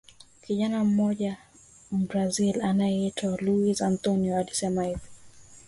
Kijana mmoja Mbrazili anayeitwa Luiz Antonio anasema hivi